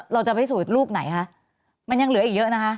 เราจะพิสูจน์ลูกไหนคะมันยังเหลืออีกเยอะนะคะ